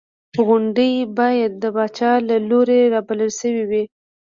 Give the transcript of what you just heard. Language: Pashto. غونډې باید د پاچا له لوري رابلل شوې وې.